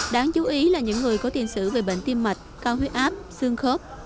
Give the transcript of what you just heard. đáng chú ý là những người có tiền sử về bệnh tim mạch cao huyết áp xương khớp